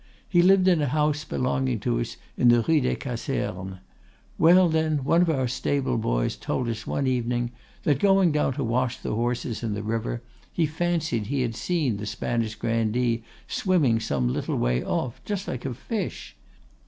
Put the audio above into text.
He lived in a house belonging to us in the Rue des Casernes. Well, then, one of our stable boys told us one evening that, going down to wash the horses in the river, he fancied he had seen the Spanish Grandee swimming some little way off, just like a fish.